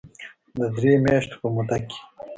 د درې مياشتو په موده کې